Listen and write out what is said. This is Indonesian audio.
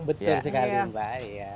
betul sekali mbak